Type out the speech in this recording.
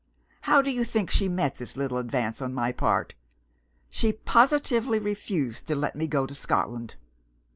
How do you think she met this little advance on my part? She positively refused to let me go to Scotland.